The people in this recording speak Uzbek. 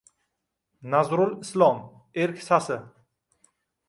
Nazrul Islom erk sasi… |